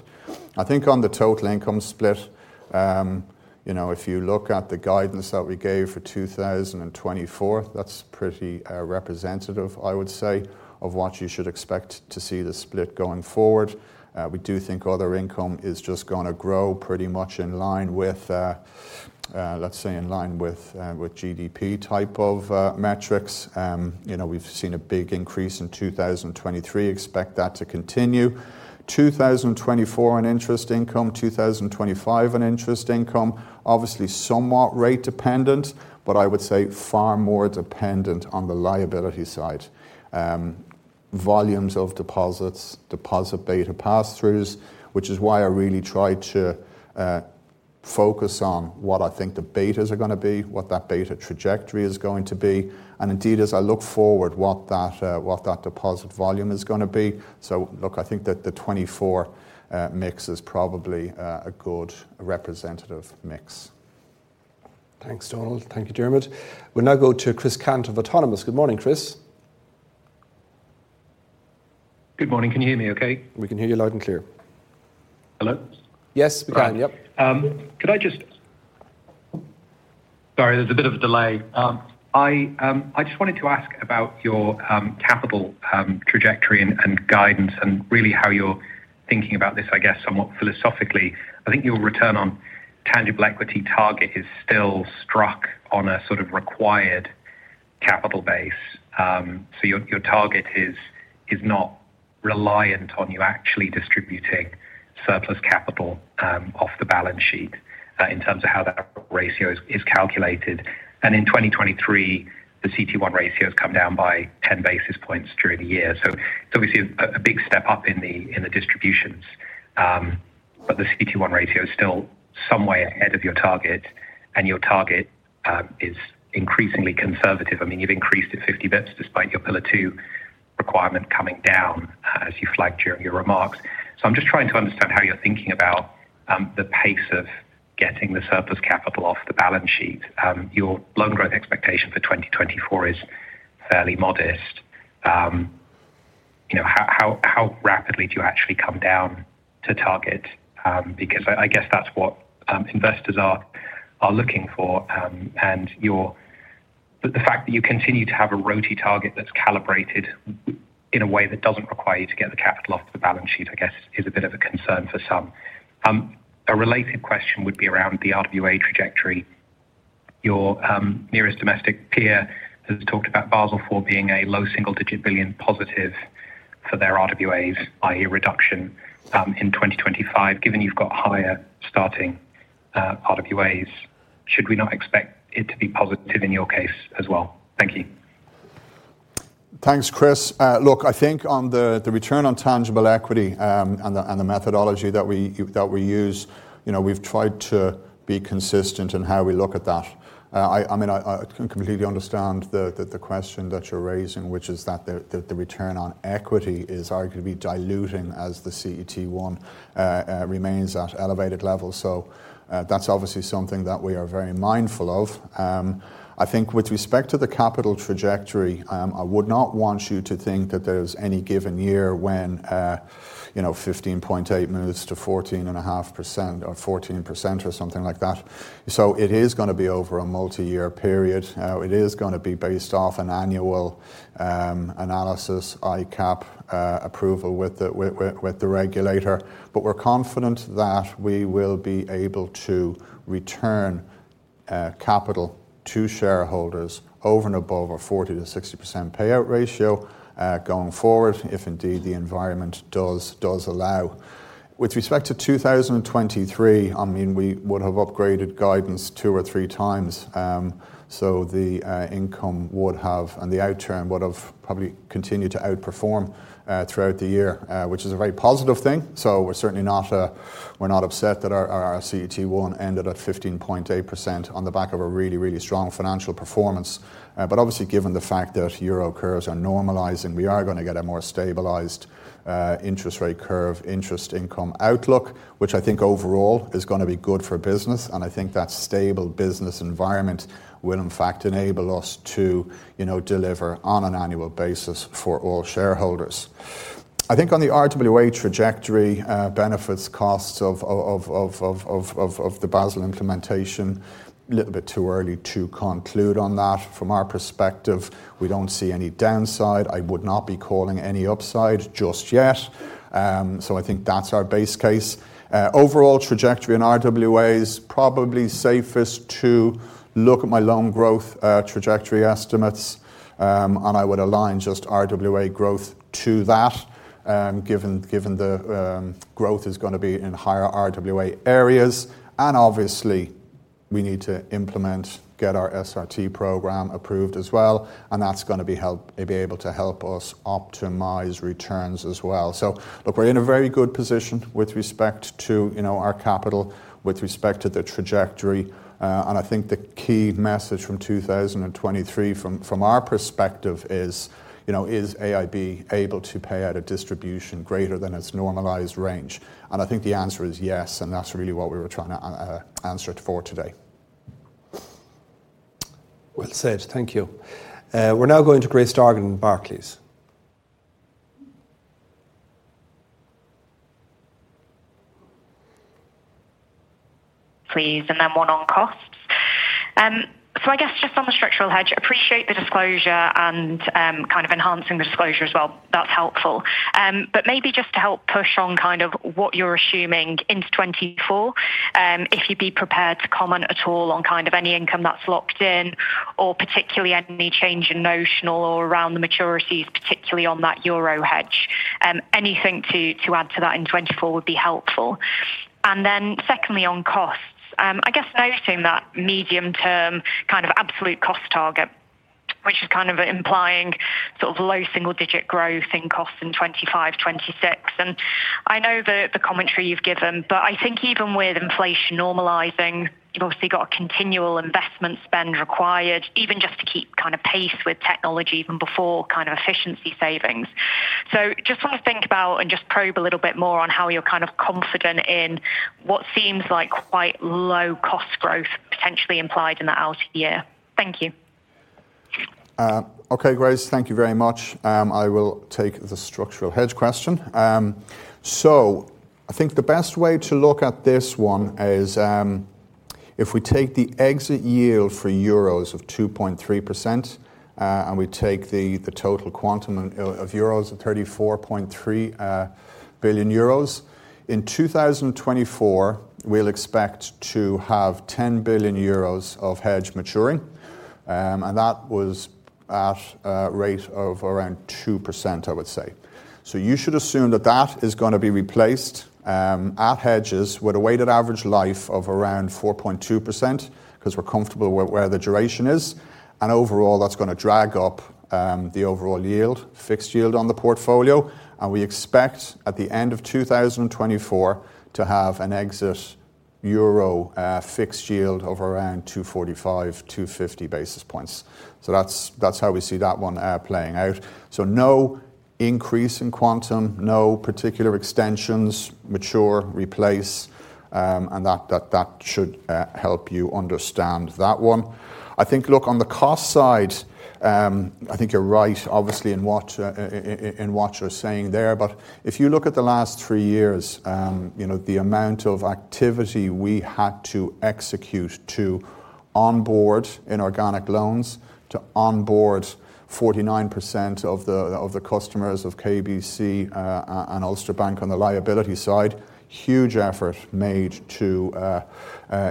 I think on the total income split, if you look at the guidance that we gave for 2024, that's pretty representative, I would say, of what you should expect to see the split going forward. We do think other income is just going to grow pretty much in line with, let's say, in line with GDP type of metrics. We've seen a big increase in 2023. Expect that to continue. 2024 and interest income, 2025 and interest income, obviously somewhat rate dependent, but I would say far more dependent on the liability side. Volumes of deposits, deposit beta pass-throughs, which is why I really try to focus on what I think the betas are going to be, what that beta trajectory is going to be. And indeed, as I look forward, what that deposit volume is going to be. So look, I think that the 2024 mix is probably a good representative mix. Thanks, Donal. Thank you, Diarmaid. We'll now go to Chris Cant of Autonomous. Good morning, Chris. Good morning. Can you hear me okay? We can hear you loud and clear. Hello? Yes, we can. Yep. Could I just sorry, there's a bit of a delay. I just wanted to ask about your capital trajectory and guidance and really how you're thinking about this, I guess, somewhat philosophically. I think your return on tangible equity target is still struck on a sort of required capital base. So your target is not reliant on you actually distributing surplus capital off the balance sheet in terms of how that ratio is calculated. And in 2023, the CET1 ratio has come down by 10 basis points during the year. So it's obviously a big step up in the distributions, but the CET1 ratio is still some way ahead of your target, and your target is increasingly conservative. I mean, you've increased it 50 basis points despite your Pillar 2 Requirement coming down as you flagged during your remarks. So I'm just trying to understand how you're thinking about the pace of getting the surplus capital off the balance sheet. Your loan growth expectation for 2024 is fairly modest. How rapidly do you actually come down to target? Because I guess that's what investors are looking for. And the fact that you continue to have a RoTE target that's calibrated in a way that doesn't require you to get the capital off the balance sheet, I guess, is a bit of a concern for some. A related question would be around the RWA trajectory. Your nearest domestic peer has talked about Basel IV being a low single-digit billion positive for their RWAs, i.e., reduction in 2025. Given you've got higher starting RWAs, should we not expect it to be positive in your case as well? Thank you. Thanks, Chris. Look, I think on the return on tangible equity and the methodology that we use, we've tried to be consistent in how we look at that. I mean, I completely understand the question that you're raising, which is that the return on equity is arguably diluting as the CET1 remains at elevated levels. So that's obviously something that we are very mindful of. I think with respect to the capital trajectory, I would not want you to think that there's any given year when 15.8 moves to 14.5% or 14% or something like that. So it is going to be over a multi-year period. It is going to be based off an annual analysis, ICAPP approval with the regulator. But we're confident that we will be able to return capital to shareholders over and above a 40%-60% payout ratio going forward, if indeed the environment does allow. With respect to 2023, I mean, we would have upgraded guidance 2 or 3 times. So the income would have and the outturn would have probably continued to outperform throughout the year, which is a very positive thing. So we're certainly not upset that our CET1 ended at 15.8% on the back of a really, really strong financial performance. But obviously, given the fact that euro curves are normalizing, we are going to get a more stabilized interest rate curve interest income outlook, which I think overall is going to be good for business. And I think that stable business environment will, in fact, enable us to deliver on an annual basis for all shareholders. I think on the RWA trajectory, benefits, costs of the Basel implementation, a little bit too early to conclude on that. From our perspective, we don't see any downside. I would not be calling any upside just yet. So I think that's our base case. Overall trajectory in RWAs, probably safest to look at my loan growth trajectory estimates. And I would align just RWA growth to that given the growth is going to be in higher RWA areas. And obviously, we need to implement, get our SRT program approved as well. And that's going to be able to help us optimize returns as well. So look, we're in a very good position with respect to our capital, with respect to the trajectory. And I think the key message from 2023, from our perspective, is, is AIB able to pay out a distribution greater than its normalised range? And I think the answer is yes. And that's really what we were trying to answer it for today. Well said. Thank you. We're now going to Grace Dargan and Barclays. Please. And then one on costs. So I guess just on the structural hedge, appreciate the disclosure and kind of enhancing the disclosure as well. That's helpful. But maybe just to help push on kind of what you're assuming into 2024, if you'd be prepared to comment at all on kind of any income that's locked in or particularly any change in notional or around the maturities, particularly on that euro hedge, anything to add to that in 2024 would be helpful. And then secondly, on costs, I guess noting that medium-term kind of absolute cost target, which is kind of implying sort of low single-digit growth in costs in 2025, 2026. And I know the commentary you've given, but I think even with inflation normalizing, you've obviously got a continual investment spend required even just to keep kind of pace with technology even before kind of efficiency savings. So just want to think about and just probe a little bit more on how you're kind of confident in what seems like quite low cost growth potentially implied in that out-of-year. Thank you. Okay, Grace. Thank you very much. I will take the structural hedge question. So I think the best way to look at this one is if we take the exit yield for euros of 2.3% and we take the total quantum of euros of 34.3 billion euros, in 2024, we'll expect to have 10 billion euros of hedge maturing. And that was at a rate of around 2%, I would say. So you should assume that that is going to be replaced. At hedges, we're at a weighted average life of around 4.2% because we're comfortable with where the duration is. And overall, that's going to drag up the overall yield, fixed yield on the portfolio. We expect at the end of 2024 to have an exit euro fixed yield of around 245-250 basis points. So that's how we see that one playing out. So no increase in quantum, no particular extensions, mature, replace. And that should help you understand that one. I think, look, on the cost side, I think you're right, obviously, in what you're saying there. But if you look at the last three years, the amount of activity we had to execute to onboard in organic loans, to onboard 49% of the customers of KBC and Ulster Bank on the liability side, huge effort made to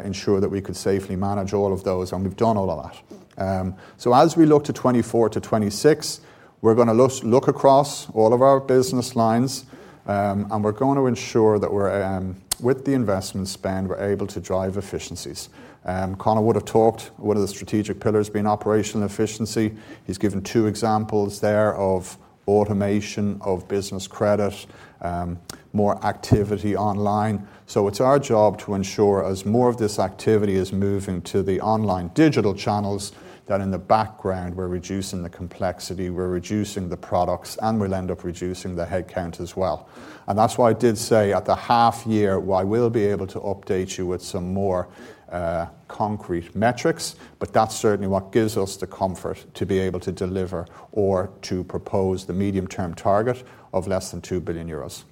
ensure that we could safely manage all of those. And we've done all of that. So as we look to 2024 to 2026, we're going to look across all of our business lines. We're going to ensure that with the investment spend, we're able to drive efficiencies. Colin Hunt. We have talked, one of the strategic pillars being operational efficiency. He's given two examples there of automation of business credit, more activity online. So it's our job to ensure as more of this activity is moving to the online digital channels that in the background, we're reducing the complexity, we're reducing the products, and we'll end up reducing the headcount as well. And that's why I did say at the half-year, I will be able to update you with some more concrete metrics. But that's certainly what gives us the comfort to be able to deliver or to propose the medium-term target of less than 2 billion euros.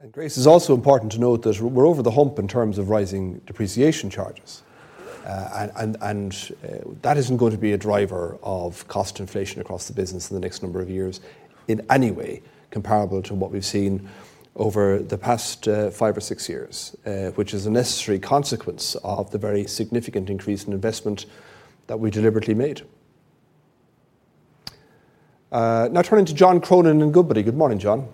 And Grace, it's also important to note that we're over the hump in terms of rising depreciation charges. And that isn't going to be a driver of cost inflation across the business in the next number of years in any way comparable to what we've seen over the past five or six years, which is a necessary consequence of the very significant increase in investment that we deliberately made. Now, turning to John Cronin and Goodbody. Good morning, John.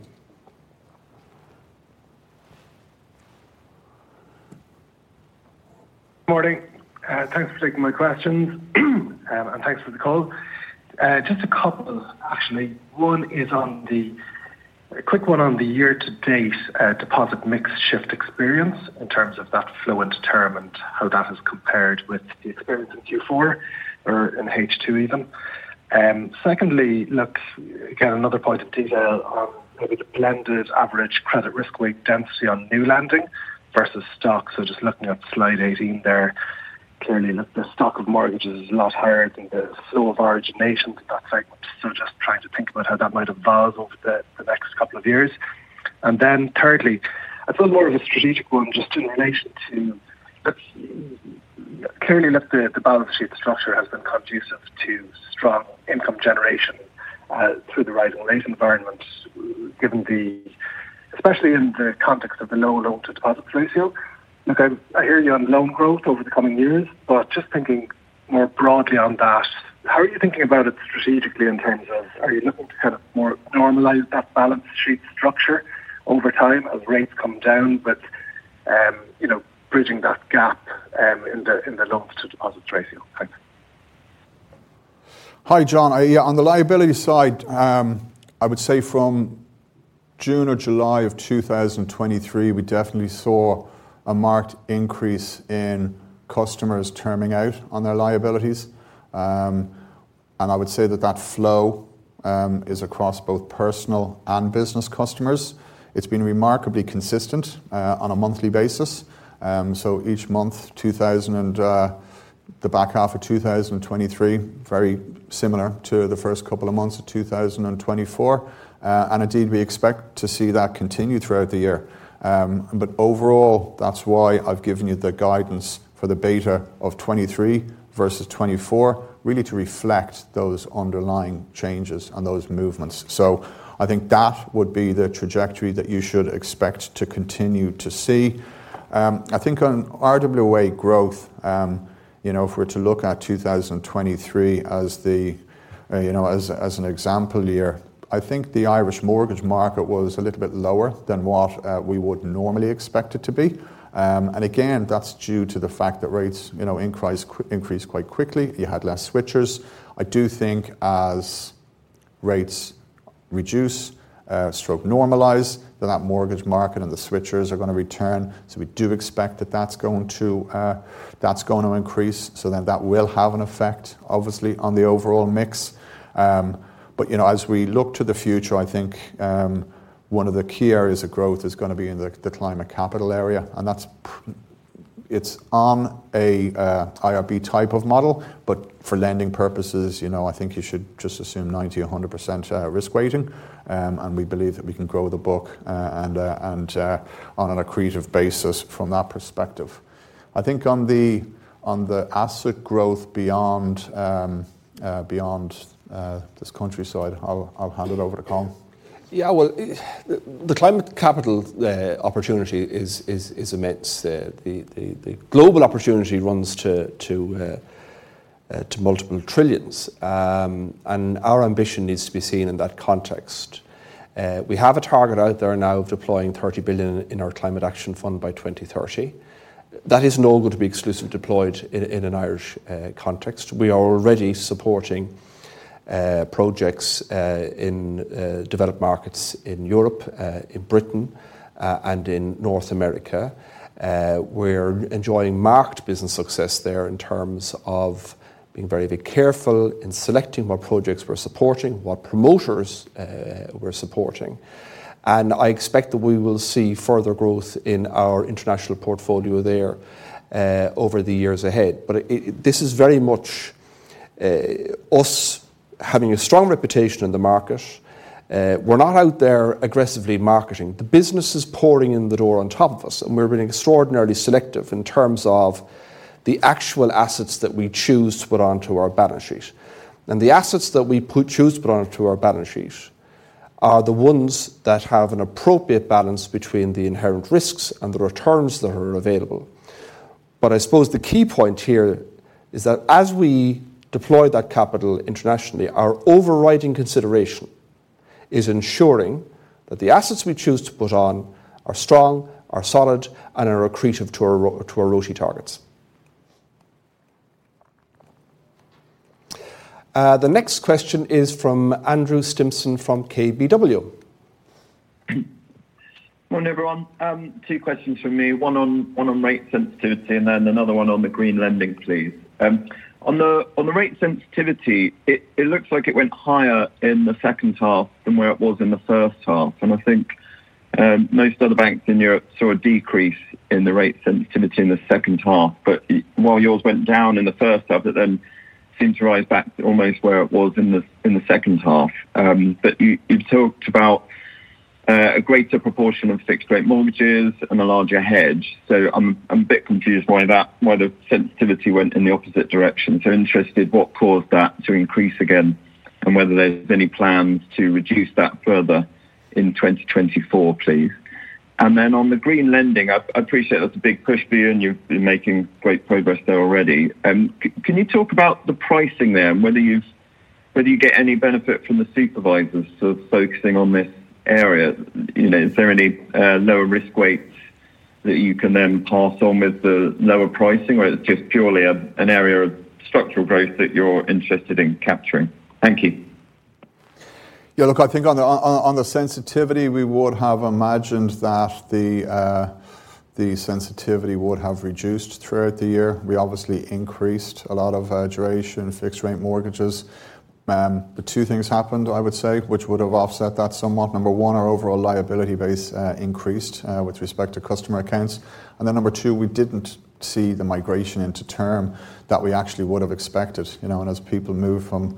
Good morning. Thanks for taking my questions. And thanks for the call. Just a couple, actually. One is a quick one on the year-to-date deposit mix shift experience in terms of that flow into term and how that has compared with the experience in Q4 or in H2 even. Secondly, look, again, another point of detail on maybe the blended average credit risk weight density on new lending versus stocks. So just looking at slide 18 there, clearly, look, the stock of mortgages is a lot higher than the flow of origination in that segment. So just trying to think about how that might evolve over the next couple of years. And then thirdly, it's a little more of a strategic one just in relation to clearly, look, the balance sheet structure has been conducive to strong income generation through the rising rate environment, especially in the context of the low loan-to-deposit ratio. Look, I hear you on loan growth over the coming years. But just thinking more broadly on that, how are you thinking about it strategically in terms of are you looking to kind of more normalise that balance sheet structure over time as rates come down but bridging that gap in the loan-to-deposit ratio? Thanks. Hi, John. Yeah, on the liability side, I would say from June or July of 2023, we definitely saw a marked increase in customers terming out on their liabilities. I would say that that flow is across both personal and business customers. It's been remarkably consistent on a monthly basis. Each month, the back half of 2023, very similar to the first couple of months of 2024. Indeed, we expect to see that continue throughout the year. Overall, that's why I've given you the guidance for the beta of 2023 versus 2024, really to reflect those underlying changes and those movements. I think that would be the trajectory that you should expect to continue to see. I think on RWA growth, if we're to look at 2023 as an example year, I think the Irish mortgage market was a little bit lower than what we would normally expect it to be. And again, that's due to the fact that rates increased quite quickly. You had less switchers. I do think as rates reduce or normalize, that that mortgage market and the switchers are going to return. So we do expect that that's going to increase. So then that will have an effect, obviously, on the overall mix. But as we look to the future, I think one of the key areas of growth is going to be in the Climate Capital area. And it's on an IRB type of model. But for lending purposes, I think you should just assume 90%-100% risk weighting. We believe that we can grow the book on an accretive basis from that perspective. I think on the asset growth beyond this country side, I'll hand it over to Colin. Yeah, well, the Climate Capital opportunity is immense. The global opportunity runs to multiple trillions. And our ambition needs to be seen in that context. We have a target out there now of deploying 30 billion in our Climate Action Fund by 2030. That is no good to be exclusively deployed in an Irish context. We are already supporting projects in developed markets in Europe, in Britain, and in North America. We're enjoying marked business success there in terms of being very, very careful in selecting what projects we're supporting, what promoters we're supporting. And I expect that we will see further growth in our international portfolio there over the years ahead. But this is very much us having a strong reputation in the market. We're not out there aggressively marketing. The business is pouring in the door on top of us. And we're being extraordinarily selective in terms of the actual assets that we choose to put onto our balance sheet. And the assets that we choose to put onto our balance sheet are the ones that have an appropriate balance between the inherent risks and the returns that are available. But I suppose the key point here is that as we deploy that capital internationally, our overriding consideration is ensuring that the assets we choose to put on are strong, are solid, and are accretive to our RoTE targets. The next question is from Andrew Stimpson from KBW. Morning, everyone. Two questions from me, one on rate sensitivity and then another one on the green lending, please. On the rate sensitivity, it looks like it went higher in the second half than where it was in the first half. I think most other banks in Europe saw a decrease in the rate sensitivity in the second half. While yours went down in the first half, it then seemed to rise back to almost where it was in the second half. You've talked about a greater proportion of fixed-rate mortgages and a larger hedge. I'm a bit confused why the sensitivity went in the opposite direction. Interested what caused that to increase again and whether there's any plans to reduce that further in 2024, please. Then on the green lending, I appreciate that's a big push, but, and you've been making great progress there already. Can you talk about the pricing there and whether you get any benefit from the supervisors sort of focusing on this area? Is there any lower risk weights that you can then pass on with the lower pricing, or it's just purely an area of structural growth that you're interested in capturing? Thank you. Yeah, look, I think on the sensitivity, we would have imagined that the sensitivity would have reduced throughout the year. We obviously increased a lot of duration fixed-rate mortgages. But two things happened, I would say, which would have offset that somewhat. Number one, our overall liability base increased with respect to customer accounts. And then number two, we didn't see the migration into term that we actually would have expected. And as people move from,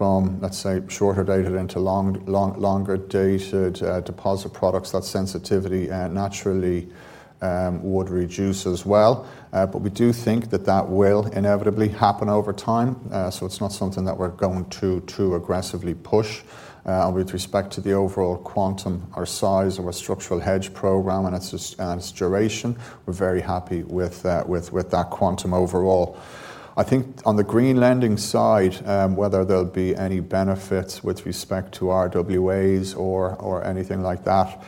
let's say, shorter-dated into longer-dated deposit products, that sensitivity naturally would reduce as well. But we do think that that will inevitably happen over time. So it's not something that we're going to too aggressively push. And with respect to the overall quantum, our size of a structural hedge program and its duration, we're very happy with that quantum overall. I think on the green lending side, whether there'll be any benefits with respect to RWAs or anything like that,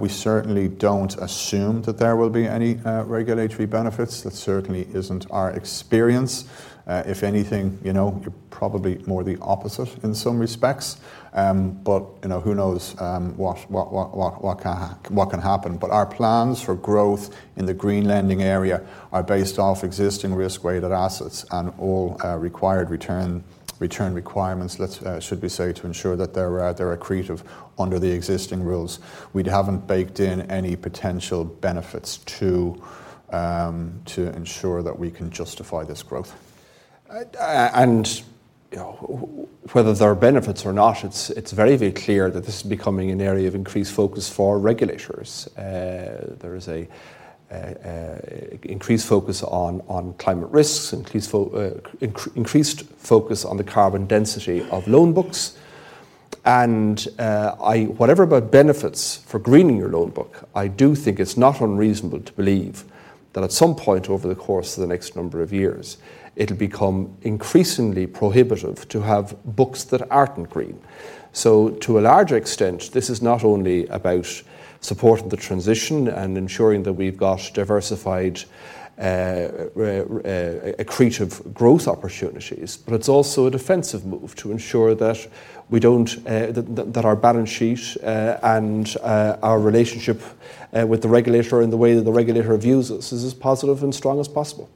we certainly don't assume that there will be any regulatory benefits. That certainly isn't our experience. If anything, you're probably more the opposite in some respects. But who knows what can happen? But our plans for growth in the green lending area are based off existing risk-weighted assets and all required return requirements, should we say, to ensure that they're accretive under the existing rules. We haven't baked in any potential benefits to ensure that we can justify this growth. And whether there are benefits or not, it's very, very clear that this is becoming an area of increased focus for regulators. There is an increased focus on climate risks, increased focus on the carbon density of loan books. And whatever about benefits for greening your loan book, I do think it's not unreasonable to believe that at some point over the course of the next number of years, it'll become increasingly prohibitive to have books that aren't green. So to a larger extent, this is not only about supporting the transition and ensuring that we've got diversified accretive growth opportunities, but it's also a defensive move to ensure that our balance sheet and our relationship with the regulator and the way that the regulator views us is as positive and strong as possible.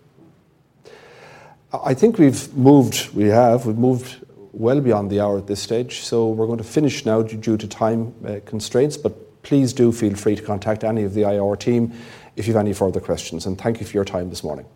I think we've moved we have. We've moved well beyond the hour at this stage. We're going to finish now due to time constraints. Please do feel free to contact any of the IR team if you have any further questions. Thank you for your time this morning.